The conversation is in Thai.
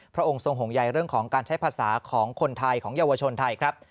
พระองค์ทรงห่วงใยเรื่องของการใช้ภาษาของคนไทยของเยาวชนไทยครับ